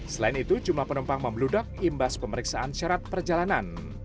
selain itu jumlah penumpang membeludak imbas pemeriksaan syarat perjalanan